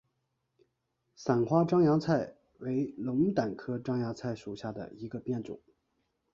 伞花獐牙菜为龙胆科獐牙菜属下的一个变种。